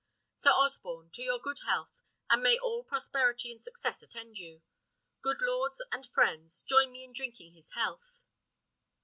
Sir Osborne, to your good health, and may all prosperity and success attend you! Good lords and friends, join me in drinking his health."